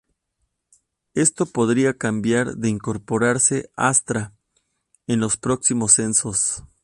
Esto podría cambiar de incorporarse Astra en los próximos censos.